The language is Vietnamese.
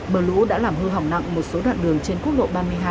mưa lũ đã làm hư hỏng nặng một số đoạn đường trên quốc lộ ba mươi hai